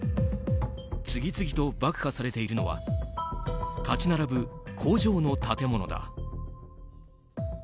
次々と爆破されているのは立ち並ぶ工場の建物だ。